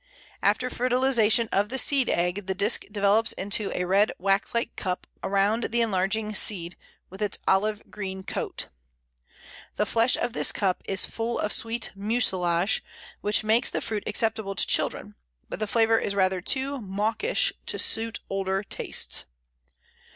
After fertilization of the seed egg the disk develops into a red wax like cup around the enlarging seed with its olive green coat. The flesh of the cup is full of sweet mucilage, which makes the fruit acceptable to children, but the flavour is rather too mawkish to suit older tastes.